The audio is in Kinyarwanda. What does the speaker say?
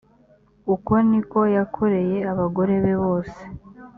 uko ni ko yakoreye abagore be bose